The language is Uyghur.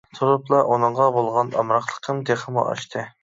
تۇرۇپلا ئۇنىڭغا بولغان ئامراقلىقىم تېخىمۇ ئاشتى.